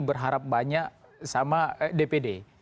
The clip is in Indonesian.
berharap banyak sama dpd